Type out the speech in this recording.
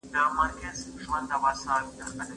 کوچني اسټروېډونه اندېښمنونکي دي.